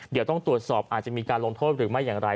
เดี๋ยวต้องตรวจสอบอาจจะมีการลงโทษหรือไม่อย่างไร